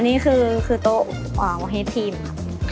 อันนี้คือโต๊ะทีมครับ